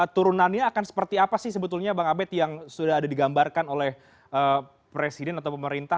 turunannya akan seperti apa sih sebetulnya bang abed yang sudah ada digambarkan oleh presiden atau pemerintah